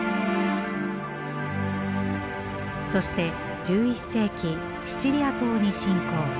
そして１１世紀シチリア島に進攻。